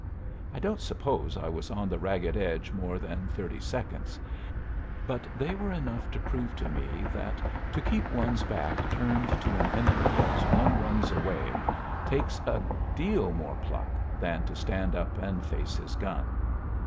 I don't suppose I was on the ragged edge more than thirty seconds, but they were enough to prove to me that to keep one's back turned to an enemy as one runs away takes a deal more pluck than to stand up and face his gun.